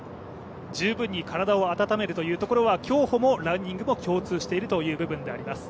十分に体を温めるということは、競歩もランニングも共通しているというところであります。